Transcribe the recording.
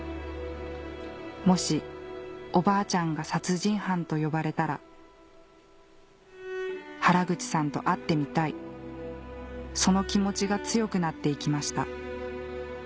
もしおばあちゃんが殺人犯と呼ばれたら原口さんと会ってみたいその気持ちが強くなっていきました